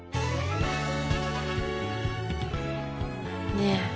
ねえ。